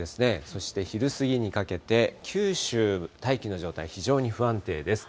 そして昼過ぎにかけて、九州、大気の状態、非常に不安定です。